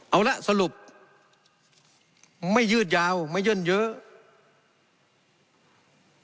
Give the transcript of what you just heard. เอาละสรุปไม่ยืดยาวไม่เยื่อนเยอะ